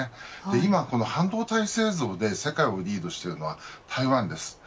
今、半導体製造で世界をリードしているのは台湾です。